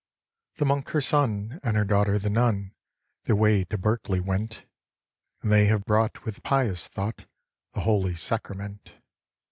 The Monk her son, and her daughter the Nun, Their way to Berkeley went, And they have brought with pious thought The holy sacrament.